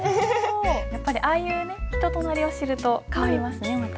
やっぱりああいうね人となりを知ると変わりますねまた。